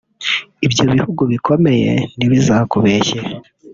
ibyo bihugu bikomeye ntibizakubeshye